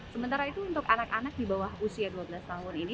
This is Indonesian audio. sementara itu untuk anak anak di bawah usia dua belas tahun ini